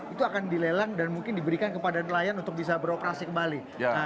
itu akan dilelang dan mungkin diberikan kepada nelayan untuk bisa beroperasi kembali